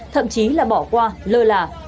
thậm chí là bỏ qua lơ lả